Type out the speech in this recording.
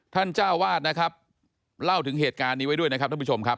เจ้าวาดนะครับเล่าถึงเหตุการณ์นี้ไว้ด้วยนะครับท่านผู้ชมครับ